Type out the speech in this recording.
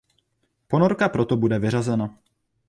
Ponorka proto bude vyřazena.